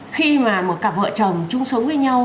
khi mà một cặp vợ chồng chung sống với nhau